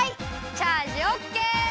チャージオッケー！